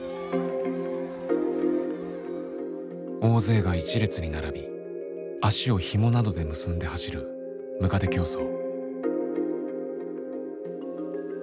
大勢が１列に並び足をヒモなどで結んで走るむかで競走。